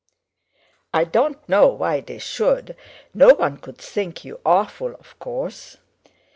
"I don't know why they should. No one could think you awful, of course."